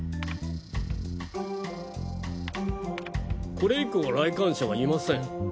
これ以降来館者はいません。